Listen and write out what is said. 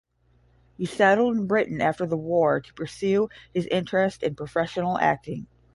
He settled in Britain after the war to pursue his interest in professional acting.